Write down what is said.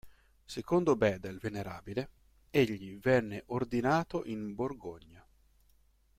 Secondo Beda il Venerabile, egli venne ordinato in Borgogna.